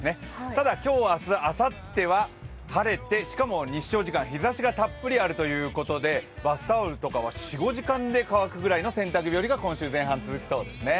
ただ今日、明日、あさっては晴れてしかも日照時間、日ざしがたっぷりあるということで、バスタオルとかは４５時間で乾く日が続きそうですね。